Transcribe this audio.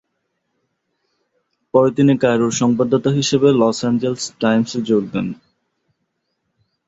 পরে তিনি কায়রোর সংবাদদাতা হিসেবে "লস এঞ্জেলেস টাইমসে যোগ দেন।"